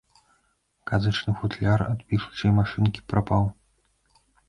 Казачны футляр ад пішучай машынкі прапаў.